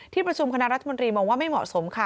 ประชุมคณะรัฐมนตรีมองว่าไม่เหมาะสมค่ะ